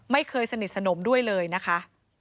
ไม่เคยสนิทสนมด้วยเลยนะคะ